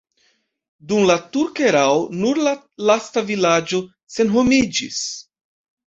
Dum la turka erao nur la lasta vilaĝo senhomiĝis.